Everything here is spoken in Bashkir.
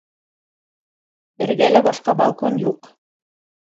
Эргәлә башҡа балкон юҡ.